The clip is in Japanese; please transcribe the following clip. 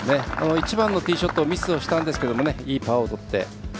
１番のティーショットミスをしたんですけどいいパーをとって。